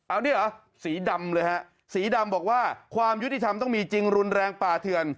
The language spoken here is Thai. อันนี้เหรอสีดำเลยฮะสีดำบอกว่าความยุติธรรมต้องมีจริงรุนแรงป่าเถื่อน